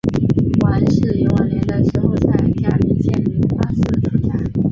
阮氏游晚年的时候在嘉林县梅发寺出家。